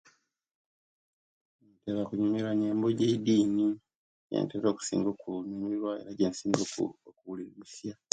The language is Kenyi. Ntere kunyumira nyembo gye'idini gyetera okusinga okunyumira era gyensinga oku okubulilisya